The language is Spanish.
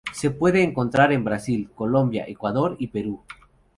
Se puede encontrar en Brasil, Colombia, Ecuador y Perú.